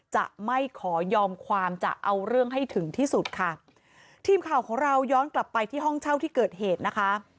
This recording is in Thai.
จะไม่ขอยอมความจะเอาเรื่องให้ถึงที่สุดค่ะทีมข่าวของเราย้อนกลับไปที่ห้องเช่าที่เกิดเหตุนะคะ